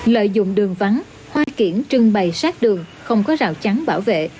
lợi dụng đường vắng hoa kiển trưng bày sát đường không có rào chắn bảo vệ